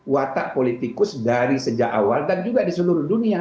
watak politikus dari sejak awal dan juga di seluruh dunia